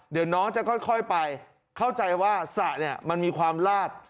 เดี๋ยวน้องจะค่อยไปเข้าใจว่าสระเนี่ยมันมีความลาด